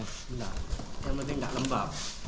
benar yang penting nggak lembab